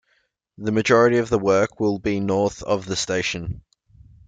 The majority of the work will be north of the station.